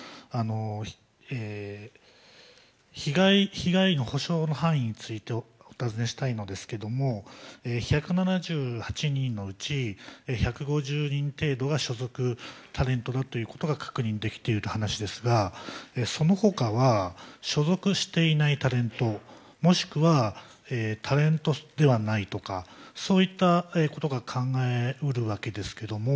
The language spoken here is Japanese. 被害の補償の範囲についてお尋ねしたいのですが１７８人のうち、１５０人程度が所属タレントだということが確認できているという話ですがその他は所属していないタレントもしくはタレントではないなどそういったことが考え得るわけですけれども。